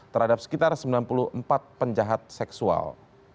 terhadap sekitar sembilan puluh empat penjahat seksual